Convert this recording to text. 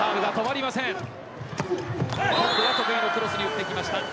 得意のクロスに打ってきました。